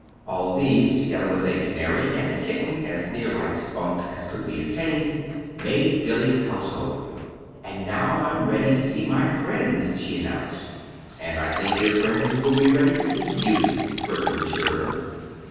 All these, together with a canary, and a kitten as near like Spunk as could be obtained, made Billy's household. "And now I'm ready to see my friends," she announced. "And I think your friends will be ready to see you," Bertram assured her.